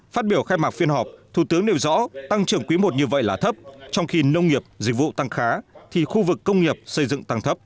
phát biểu khai mạc phiên họp thủ tướng nêu rõ tăng trưởng quý i như vậy là thấp trong khi nông nghiệp dịch vụ tăng khá thì khu vực công nghiệp xây dựng tăng thấp